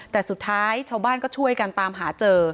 แต่สุดท้ายชาวบ้านก็ช่วยกันตามหาเจอ